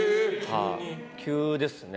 急ですね。